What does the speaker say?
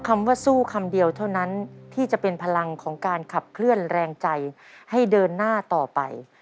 คำว่าสู้คำเดียวเท่านั้นที่จะเป็นพลังของการขับเคลื่อนแรงใจให้เดินหน้าต่อไป